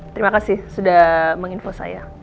terima kasih sudah menginfo saya